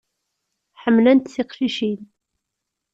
Ḥemmlent tiqcicin.